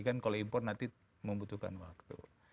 kan kalau impor nanti membutuhkan waktu